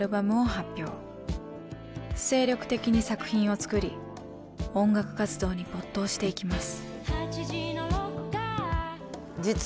精力的に作品を作り音楽活動に没頭していきます。